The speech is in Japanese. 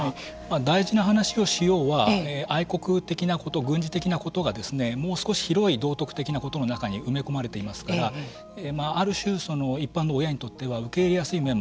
「大事な話をしよう」は愛国的なこと軍事的なことがもう少し広い道徳的なことの中に埋め込まれていますからある種一般の親にとっては受け入れやすい面もある。